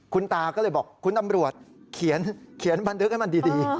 คุณตาก็เลยบอกคุณตำรวจเขียนบันทึกให้มันดี